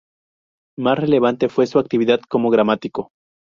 Más relevante fue su actividad como gramático.